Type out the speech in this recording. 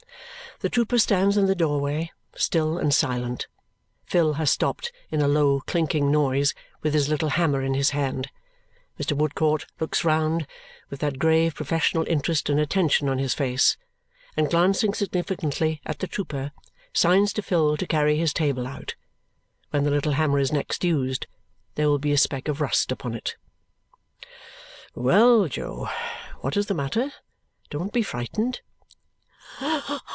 The trooper stands in the doorway, still and silent. Phil has stopped in a low clinking noise, with his little hammer in his hand. Mr. Woodcourt looks round with that grave professional interest and attention on his face, and glancing significantly at the trooper, signs to Phil to carry his table out. When the little hammer is next used, there will be a speck of rust upon it. "Well, Jo! What is the matter? Don't be frightened."